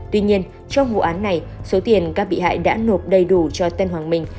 tuy nhiên trong vụ án này số tiền các bị hại đã nộp đầy đủ cho tân hoàng minh